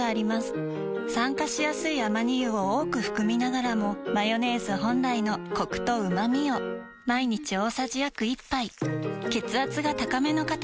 酸化しやすいアマニ油を多く含みながらもマヨネーズ本来のコクとうまみを毎日大さじ約１杯血圧が高めの方に機能性表示食品